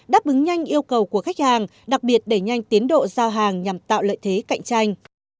đáp ứng nhanh yêu cầu của khách hàng đặc biệt đẩy nhanh tiến độ giao hàng nhằm tạo lợi thế cạnh tranh